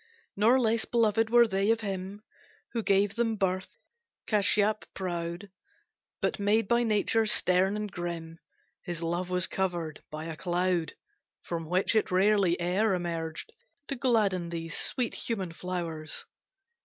Nor less beloved were they of him Who gave them birth, Kasyapu proud, But made by nature stern and grim, His love was covered by a cloud From which it rarely e'er emerged, To gladden these sweet human flowers.